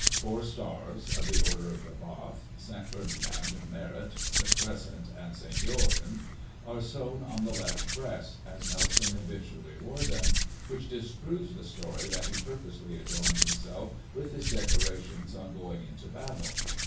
Four stars — of the Order of the Bath, St. Ferdinand and Merit, the Crescent, and St. Joachin — are sewn on the left breast, as Nelson habitually wore them; which disproves the story that he purposely adorned himself with his decorations on going into battle!